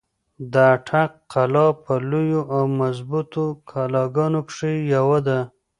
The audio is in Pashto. د اټک قلا په لويو او مضبوطو قلاګانو کښې يوه ده۔